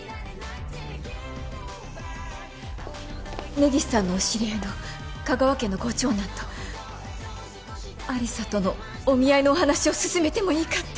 根岸さんのお知り合いの香川家のご長男と有沙とのお見合いの話を進めてもいいかって。